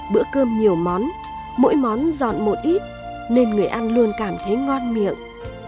bữa cơm nhiều món mỗi món dọn một ít nên người ăn luôn cảm thấy ngon miệng